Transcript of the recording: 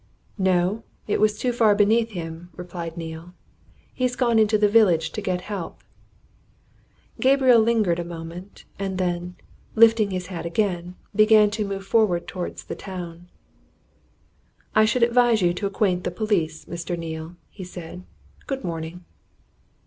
"No it was too far beneath him," replied Neale. "He's gone into the village to get help." Gabriel lingered a moment, and then, lifting his hat again, began to move forward towards the town. "I should advise you to acquaint the police, Mr. Neale," he said. "Good morning!"